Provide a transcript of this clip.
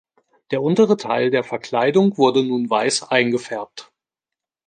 Der untere Teil der Verkleidung wurde nun weiß eingefärbt.